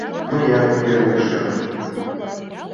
Мыят кӧнышым.